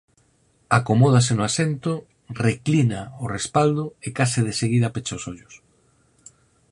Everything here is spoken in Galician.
Acomódase no asento, reclina o respaldo e case de seguida pecha os ollos.